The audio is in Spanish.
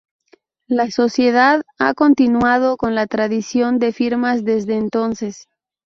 La sociedad ha continuado con la tradición de firmas desde entonces.